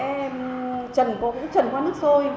hết từ trong một triệt shop ăn g contemporary ropes